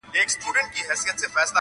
په هر قالب کي څه برابر یې-